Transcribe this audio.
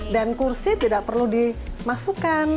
dan kursi tidak perlu dimasukkan